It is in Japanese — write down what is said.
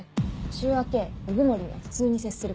「週明け鵜久森には普通に接すること」。